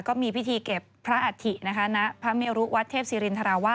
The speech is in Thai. ก็มีพิธีเก็บพระอัฐินะคะณพระเมรุวัดเทพศิรินทราวะ